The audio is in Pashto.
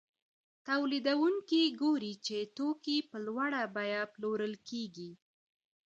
تولیدونکي ګوري چې توکي په لوړه بیه پلورل کېږي